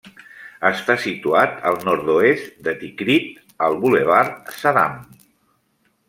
Està situat al nord-oest de Tikrit al Bulevard Saddam.